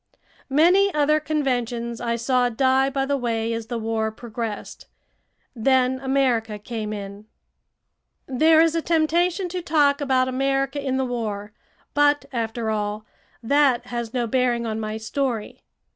Many other conventions I saw die by the way as the war progressed. Then America came in. There is a temptation to talk about America in the war, but, after all, that has no bearing on my story.